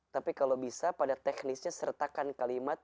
tapi kalau bisa pada teknisnya sertakan kalimat